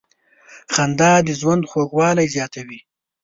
• خندا د ژوند خوږوالی زیاتوي.